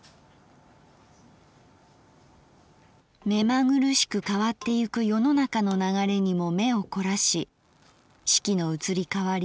「めまぐるしく変ってゆく世の中の流れにも眼を凝らし四季の移り変り